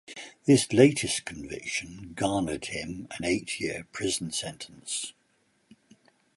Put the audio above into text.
This latest conviction garnered him an eight-year prison sentence.